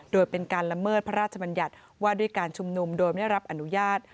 โดยเป็นการละเมิดพระราชบัญญัติว่าด้วยการชุมนุมโดยไม่รับอนุญาต